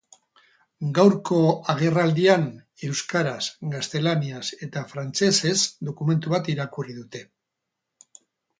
Gaurko agerraldian, euskaraz, gaztelaniaz eta frantsesez dokumentu bat irakurri dute.